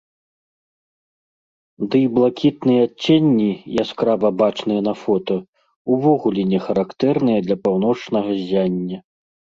Дый блакітныя адценні, яскрава бачныя на фота, увогуле не характэрныя для паўночнага ззяння.